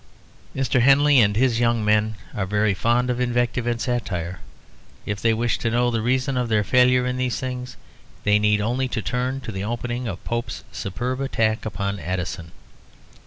Mr. Henley and his young men are very fond of invective and satire; if they wish to know the reason of their failure in these things, they need only turn to the opening of Pope's superb attack upon Addison.